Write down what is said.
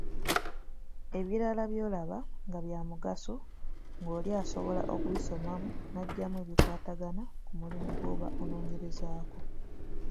Ebirala byolaba nga bya mugaso, ng'oli asobola okubisomamu naggyamu ebikwatagana ku mulimu gwoba onoonyerezaako.